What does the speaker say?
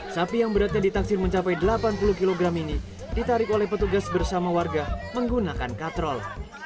sapi yang beratnya ditaksir mencapai delapan puluh kg ini ditarik oleh petugas bersama warga menggunakan katrol